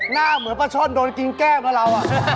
มาเหมือนป้าช่อนโดนกินแก้วมาเรา